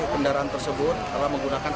kendaraan tersebut adalah menggunakan